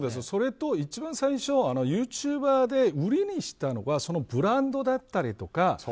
それと、一番最初ユーチューバーで売りにしたのがブランドだったりとか。